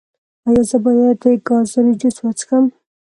ایا زه باید د ګازرې جوس وڅښم؟